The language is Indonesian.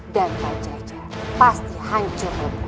dan pajajaran pasti hancurmu